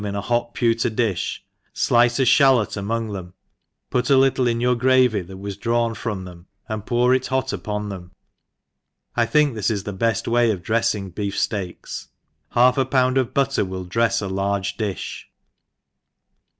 in a hot pewter difhi flice a fhalot among them, put a little in your gravy that was drawn from them, and pour it hot upon them: I think this is the bed vrzy of drefiing beef fieaks«. Half ^ pound of butter will drefs a large difh.